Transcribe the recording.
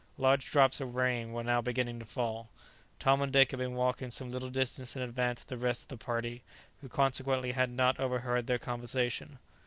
Large drops of rain were now beginning to fall. Tom and Dick had been walking some little distance in advance of the rest of the party, who consequently had not overheard their conversation.